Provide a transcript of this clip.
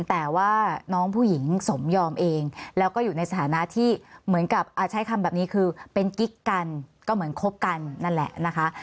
แต่ว่าน้องผู้หญิงสมยอมเองแล้วก็อยู่ในสถานะที่เหมือนกับใช้คำแบบนี้คือเป็นกิ๊กกันก็เหมือนคบกันนั่นแหละนะคะ